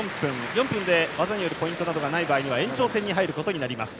４分で技によるポイントがない場合には延長戦に入ることになります。